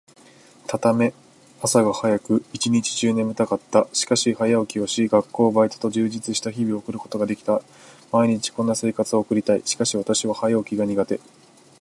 私は今日大学に行った。一限だったため、朝が早く、一日中眠たかった。しかし、早起きをし、学校、バイトと充実した日を送ることができた。毎日こんな生活を送りたい。しかし私は早起きが苦手だ。